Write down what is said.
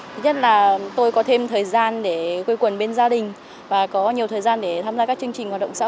thứ nhất là tôi có thêm thời gian để quê quần bên gia đình và có nhiều thời gian để tham gia các chương trình hoạt động xã hội